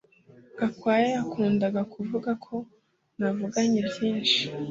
Gakwaya yakundaga kuvuga ko navuganye byinshi